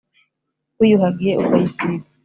Wiyuhagiye ukayisiga